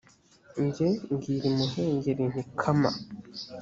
jye mbwira imuhengeri nti kama